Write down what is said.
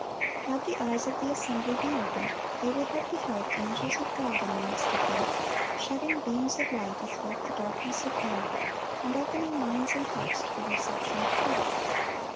Had the eyes of the assembly been opened, they would have beheld angels of God in the midst of them, shedding beams of light athwart the darkness of error, and opening minds and hearts to the reception of truth.